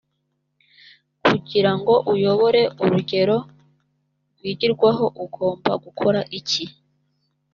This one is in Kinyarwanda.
kugira ngo uyobore urugero rwigirwaho ugomba gukora iki